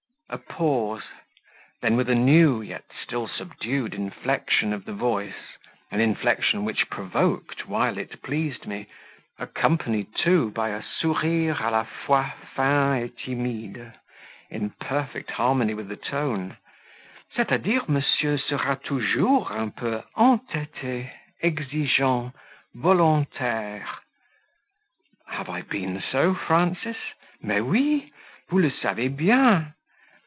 A pause; then with a new, yet still subdued inflexion of the voice an inflexion which provoked while it pleased me accompanied, too, by a "sourire a la fois fin et timide" in perfect harmony with the tone: "C'est a dire, monsieur sera toujours un peu entete exigeant, volontaire ?" "Have I been so, Frances?" "Mais oui; vous le savez bien."